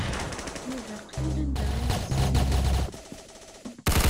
Yuba qlil anda i isett igumma.